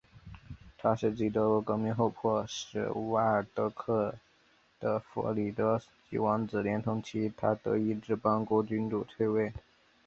它是继德国革命后迫使瓦尔德克的弗里德里希王子连同其他德意志邦国君主退位。